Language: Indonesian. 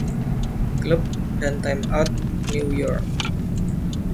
"Club" dan "Time Out" New York.